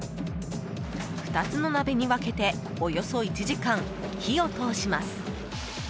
２つの鍋に分けておよそ１時間、火を通します。